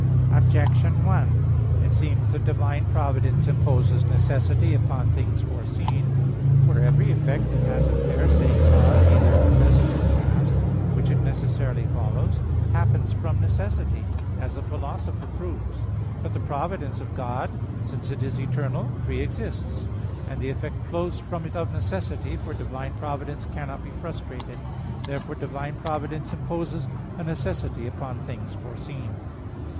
Objection 1: It seems that divine providence imposes necessity upon things foreseen. For every effect that has a per se cause, either present or past, which it necessarily follows, happens from necessity; as the Philosopher proves (Metaph. vi, 7). But the providence of God, since it is eternal, pre exists; and the effect flows from it of necessity, for divine providence cannot be frustrated. Therefore divine providence imposes a necessity upon things foreseen.